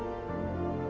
saya tidak tahu